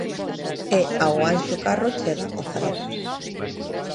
E ao Anxo Carro chega o Zaragoza.